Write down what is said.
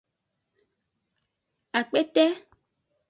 Akpete.